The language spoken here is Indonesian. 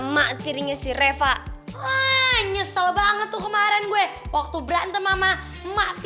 masa abah ngingin tidur terus